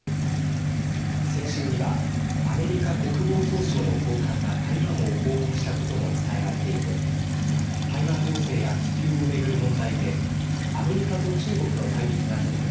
先週にはアメリカ国防総省の高官が台湾を訪問したことも伝えられていて台湾情勢や気球を巡る問題でアメリカと中国の対立が続く